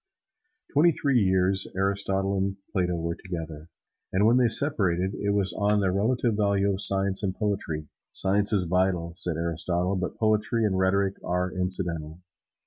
Twenty three years Aristotle and Plato were together, and when they separated it was on the relative value of science and poetry. "Science is vital," said Aristotle; "but poetry and rhetoric are incidental."